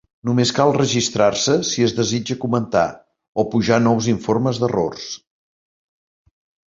Només cal registrar-se si es desitja comentar, o pujar nous informes d'errors.